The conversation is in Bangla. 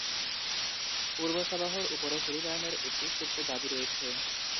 পূর্ব সাবাহর উপর ফিলিপাইনের একটি সুপ্ত দাবি রয়েছে।